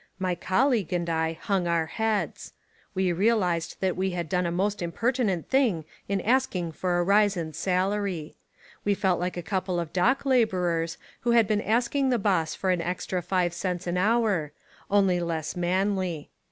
My col league and I hung our heads. We realised that we had done a most impertinent thing in ask ing for a rise in salary. We felt like a couple of dock labourers who had been asking the boss for an extra five cents an hour — only less manly.